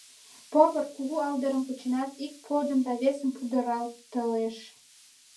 Повар кугу алдырым кученат, ик подым да весым пудыратылеш.